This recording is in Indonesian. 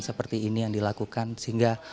seperti ini yang dilakukan sehingga